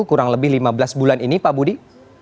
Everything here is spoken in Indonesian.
kurang lebih lima belas bulan ini pak budi